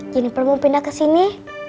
jennifer mau pindah ke sini